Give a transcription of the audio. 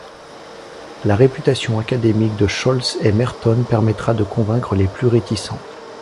La réputation académique de Scholes et Merton permettra de convaincre les plus réticents.